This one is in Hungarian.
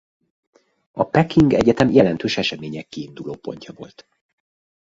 A Peking Egyetem jelentős események kiindulópontja volt.